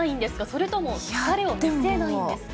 それとも疲れを見せないんですか？